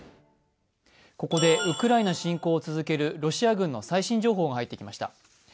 ここでウクライナ侵攻を続けるロシア軍の最新情報が入ってきました。